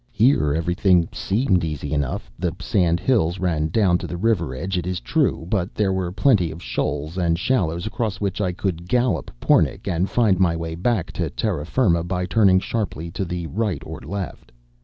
Here everything seemed easy enough. The sand hills ran down to the river edge, it is true, but there were plenty of shoals and shallows across which I could gallop Pornic, and find my way back to terra firma by turning sharply to the right or left.